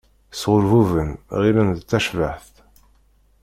Sɛurbuben, ɣillen d tacbaḥt.